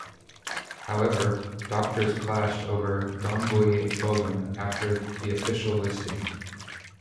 However, doctors clashed over "Dongui Bogam" after the official listing.